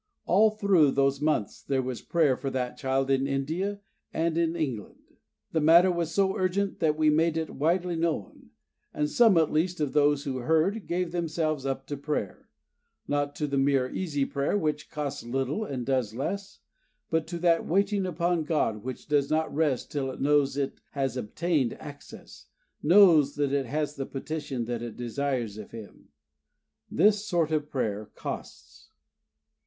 All through those months there was prayer for that child in India and in England. The matter was so urgent that we made it widely known, and some at least of those who heard gave themselves up to prayer; not to the mere easy prayer which costs little and does less, but to that waiting upon God which does not rest till it knows it has obtained access, knows that it has the petition that it desires of Him. This sort of prayer costs.